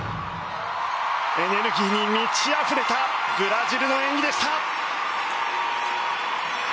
エネルギーに満ちあふれたブラジルの演技でした。